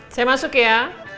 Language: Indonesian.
saya masuk ya